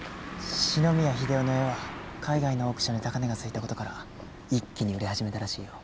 四ノ宮英夫の絵は海外のオークションで高値がついた事から一気に売れ始めたらしいよ。